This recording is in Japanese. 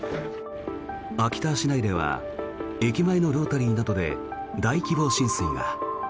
秋田市内では駅前のロータリーなどで大規模浸水が。